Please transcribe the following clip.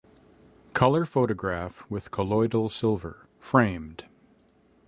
Color photograph with colloidal silver (framed).